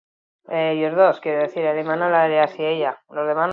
Beharbada, Zizeronek Diodoro Sikuloren idazkietan irakurri zuen.